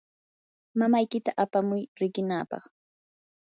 mamaykita apamuy riqinaapaq.